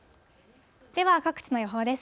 では各地の予報です。